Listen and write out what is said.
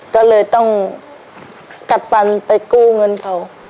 ก็เลยต้องกัดฟันไปกู้เงินเขา